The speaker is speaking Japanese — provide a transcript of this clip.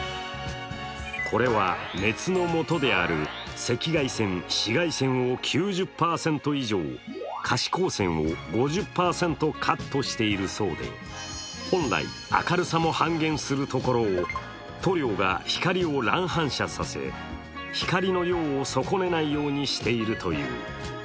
これは熱の元である赤外線・紫外線を９０％以上、可視光線を５０％カットしているそうで、本来、明るさも半減するところを塗料が光を乱反射させ光の量を損ねないようにしているという。